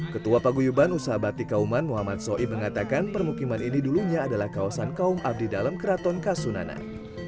ketua paguyuban usaha batik kauman muhammad soi mengatakan permukiman ini dulunya adalah kawasan kaum abdi dalam keraton kasunanan